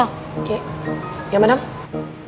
bapak kamu di mana